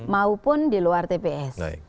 maupun di luar tps